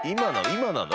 今なの？